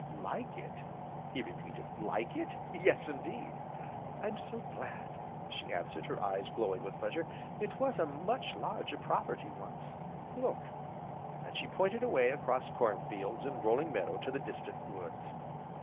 "Like it!" he repeated, "like it? Yes indeed!" "I'm so glad!" she answered, her eyes glowing with pleasure. "It was a much larger property, once, Look!" and she pointed away across corn fields and rolling meadow to the distant woods.